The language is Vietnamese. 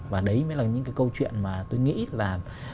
và đấy mới là những cái câu chuyện mà tôi nghĩ là